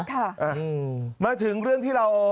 ค่ะมาถึงเรื่องที่เรา